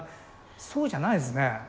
そうじゃないんですね。